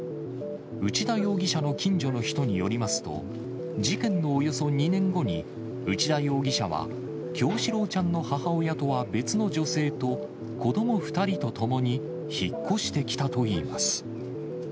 内田容疑者の近所の人によりますと、事件のおよそ２年後に内田容疑者は、叶志郎ちゃんの母親とは別の女性と子ども２人と共に、引っ越してきたといいます。